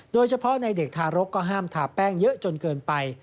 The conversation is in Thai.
โดยเฉพาะในเด็กทารกก็ห้ามทาแป้งเยอะจนเกินไป